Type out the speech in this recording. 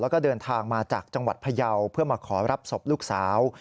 แล้วก็เดินทางมาจากจังหวัดพยาวเพื่อมาขอรับศพลูกสาว